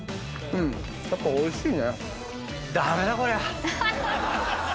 やっぱおいしいね。